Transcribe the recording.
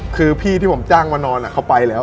คือพี่ที่ผมจ้างมานอนเขาไปแล้ว